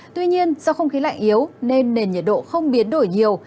tuy nhiên do không khí lạnh yếu nên nền nhiệt độ không biến đổi nhiều